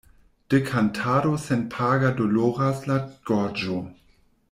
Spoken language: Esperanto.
De kantado senpaga doloras la gorĝo.